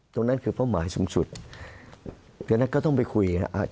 ตรงนั้นก็เป้าหมายซูมสุดเดือนนั้นก็ต้องไปคุยนะ